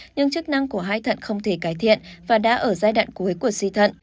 nhưng chức năng của hai thận không thể cải thiện và đã ở giai đoạn cuối của suy thận